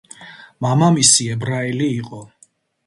მამამისი ებრაელი იყო.